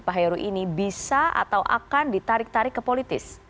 pak heru ini bisa atau akan ditarik tarik ke politis